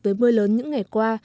với mưa lớn những ngày qua